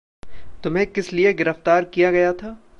तुम्हें किस लिये गिरफ़्तार किया गया था?